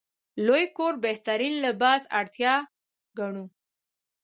لوی کور بهترین لباس اړتیا ګڼو.